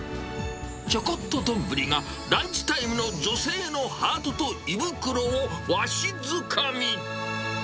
ちょこっと丼がランチタイムの女性のハートと胃袋をわしづかみ。